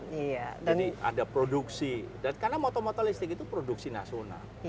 jadi ada produksi karena moto moto listrik itu produksi nasional